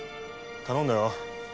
頼んだよ。